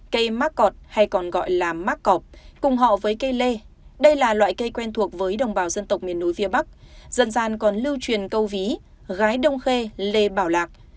cây mắc cọp hay còn gọi là mắc cọp cùng họ với cây lê đây là loại cây quen thuộc với đồng bào dân tộc miền núi phía bắc dần dàn còn lưu truyền câu ví gái đông khê lê bảo lạc